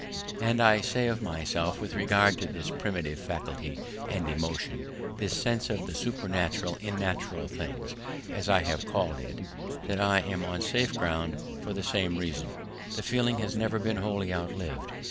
And I can say of myself with regard to this primitive faculty and emotion this sense of the supernatural in natural things, as I have called it that I am on safe ground for the same reason; the feeling has never been wholly outlived.